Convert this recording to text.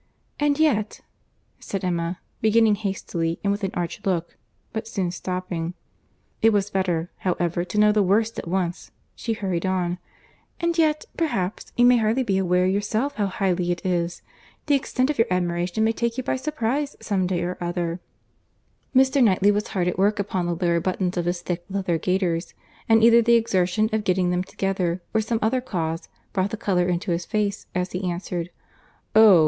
"And yet," said Emma, beginning hastily and with an arch look, but soon stopping—it was better, however, to know the worst at once—she hurried on—"And yet, perhaps, you may hardly be aware yourself how highly it is. The extent of your admiration may take you by surprize some day or other." Mr. Knightley was hard at work upon the lower buttons of his thick leather gaiters, and either the exertion of getting them together, or some other cause, brought the colour into his face, as he answered, "Oh!